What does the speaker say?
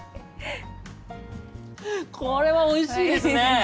これはおいしいですね。